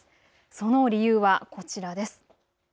その理由はこちらです。